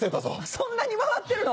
そんなに回ってるの？